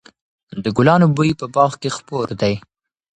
د ګلانو بوی په باغ کې خپور دی.